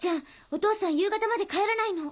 お父さん夕方まで帰らないの。